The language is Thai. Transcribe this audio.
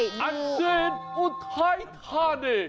เยลอุไทรทานิ